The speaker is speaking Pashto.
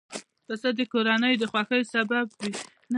پسه د کورنیو د خوښیو سبب وي.